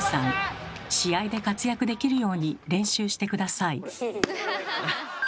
試合で活躍できるように練習して下さい。